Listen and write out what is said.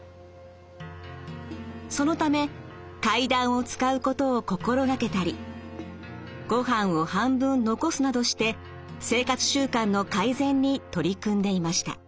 そのため階段を使うことを心がけたりご飯を半分残すなどして生活習慣の改善に取り組んでいました。